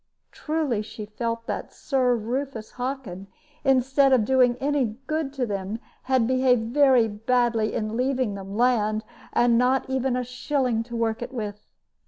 Truly she felt that Sir Rufus Hockin, instead of doing any good to them, had behaved very badly in leaving them land, and not even a shilling to work it with.